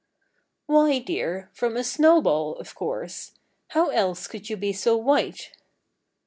"Why, dear, from a snowball, of course. How else could you be so white?"